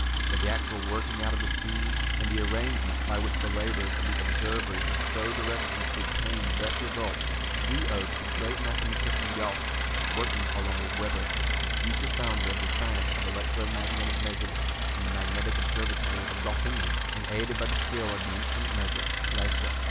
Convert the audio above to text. But the actual working out of the scheme, and the arrangements by which the labours of the observers were so directed as to obtain the best results, we owe to the great mathematician Gauss, working along with Weber, the future founder of the science of electro magnetic measurement, in the magnetic observatory of Gottingen, and aided by the skill of the instrument maker Leyser.